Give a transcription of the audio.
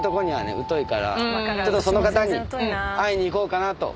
ちょっとその方に会いに行こうかなと。